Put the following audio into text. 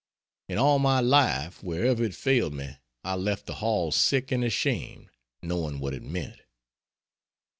In all my life, wherever it failed me I left the hall sick and ashamed, knowing what it meant.